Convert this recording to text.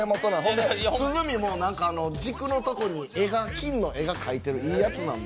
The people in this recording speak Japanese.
鼓も軸のところに金の絵が描いてあるやつなんで。